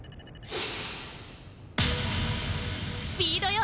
スピードよ！